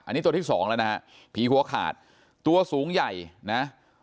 อันนี้ตัวที่สองแล้วนะฮะผีหัวขาดตัวสูงใหญ่นะ